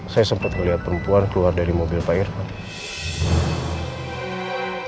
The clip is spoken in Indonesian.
saya sempet ngeliat perempuan keluar dari mobil pak irfan